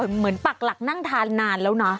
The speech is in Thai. เหมือนปักหลักนั่งทานนานแล้วนะ